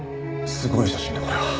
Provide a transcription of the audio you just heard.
すごい写真だこれは。